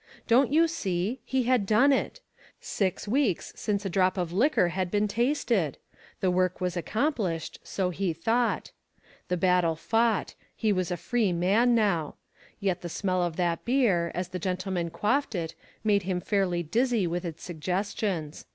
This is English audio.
Don't you see? He had done it. Six weeks since a drop of liquor had been tasted I The work was accomplished, so he thought The battle fought. He was a free 45 8 ONE COMMONPLACE DAY. man now. Yet the smell of ' that beer, as the gentlemen quaffed it, made him fairly dizzy with its suggestions.